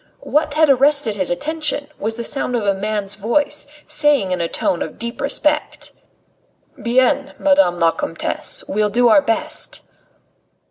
What had arrested his attention was the sound of a man's voice, saying in a tone of deep respect: "Bien, Madame la Comtesse, we'll do our best."